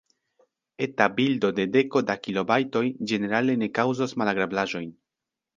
Eta bildo de deko da kilobajtoj ĝenerale ne kaŭzos malagrablaĵojn.